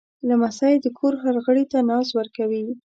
لمسی د کور هر غړي ته ناز ورکوي.